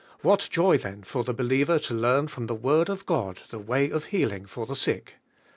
What joy, then, for the believer In Irani from the Word of God the way of healing for the sick!